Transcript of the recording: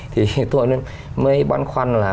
thì tôi mới băn khoăn là